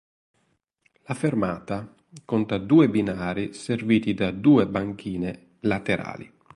La fermata conta due binari serviti da due banchine laterali.